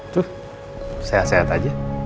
tuh sehat sehat aja